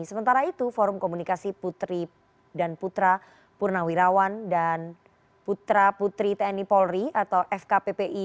sementara itu forum komunikasi putri dan putra purnawirawan dan putra putri tni polri atau fkppi